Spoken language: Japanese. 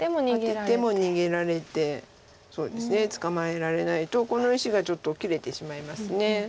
アテても逃げられて捕まえられないとこの石がちょっと切れてしまいます。